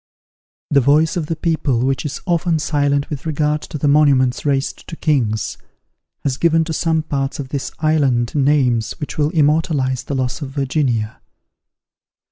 The voice of the people, which is often silent with regard to the monuments raised to kings, has given to some parts of this island names which will immortalize the loss of Virginia.